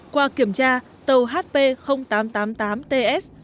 qua kiểm tra tàu hp tám trăm tám mươi tám ts